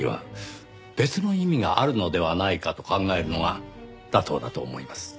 別の意味があるのではないかと考えるのが妥当だと思います。